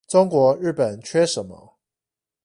中國日本缺什麼